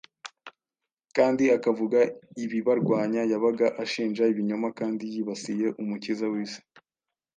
kandi akavuga ibibarwanya, yabaga ashinja ibinyoma kandi yibasiye Umukiza w’isi.